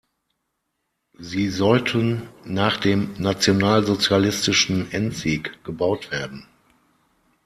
Sie sollten nach dem nationalsozialistischen „Endsieg“ gebaut werden.